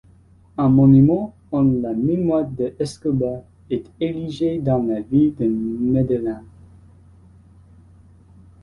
Un monument en la mémoire de Escobar est érigé dans la ville de Medellín.